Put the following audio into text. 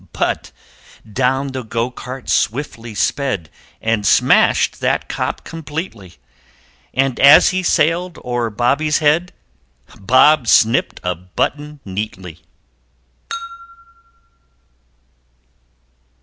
But down the Go cart swiftly sped And smashed that Cop completely, And as he sailed o'er Bobby's head Bob snipped a button neatly!